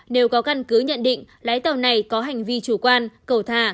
nếu có căn cứ nhận định lái tàu này có hành vi chủ quan cầu thà